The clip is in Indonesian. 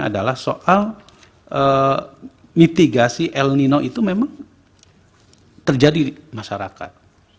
adalah soal mitigasi el nino itu memang terjadi di masyarakat